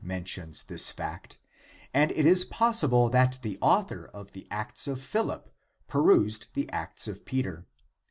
81) also men tion this fact and it is possible that the author of the Acts of Philip perused the Acts of Peter.